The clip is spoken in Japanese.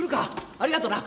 ありがとな。